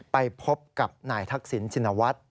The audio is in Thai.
ไปพบกับนายทักษิณชินวัฒน์